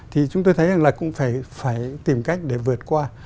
thì chúng tôi thấy rằng là cũng phải tìm cách để vượt qua